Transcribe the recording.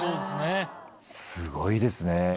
すごいですね。